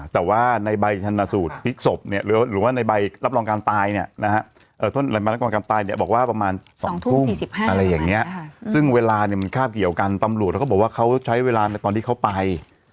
แต่ว่าในใบชนสูตรพลิกศพเนี่ยหรือว่าในใบรับรองการตายเนี่ยนะฮะต้นรายมารกรการตายเนี่ยบอกว่าประมาณ๒ทุ่ม๑๕อะไรอย่างนี้ซึ่งเวลาเนี่ยมันคาบเกี่ยวกันตำรวจเขาก็บอกว่าเขาใช้เวลาในตอนที่เขาไป